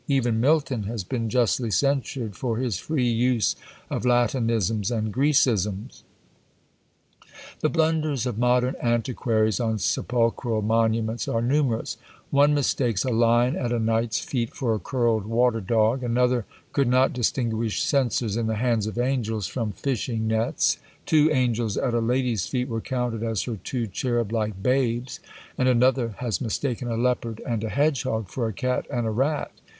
Even Milton has been justly censured for his free use of Latinisms and Grecisms. The blunders of modern antiquaries on sepulchral monuments are numerous. One mistakes a lion at a knight's feet for a curled water dog; another could not distinguish censers in the hands of angels from fishing nets; two angels at a lady's feet were counted as her two cherub like babes; and another has mistaken a leopard and a hedgehog for a cat and a _rat!